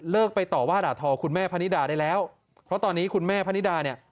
ไปต่อว่าด่าทอคุณแม่พนิดาได้แล้วเพราะตอนนี้คุณแม่พนิดาเนี่ย